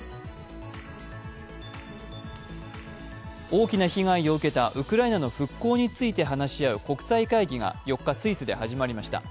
大きな被害を受けたウクライナの復興について話し合う国際会議が４日、スイスで始まりました。